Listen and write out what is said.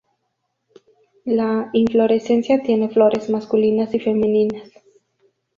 La inflorescencia tiene flores masculinas y femeninas.